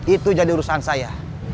itu jadi urusan saya